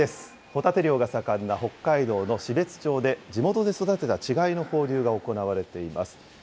ホタテ漁が盛んな北海道の標津町で、地元で育てた稚貝の放流が行われています。